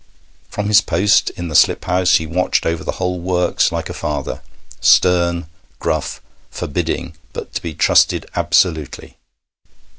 From his post in the slip house he watched over the whole works like a father, stern, gruff, forbidding, but to be trusted absolutely.